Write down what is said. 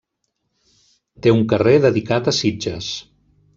Té un carrer dedicat a Sitges.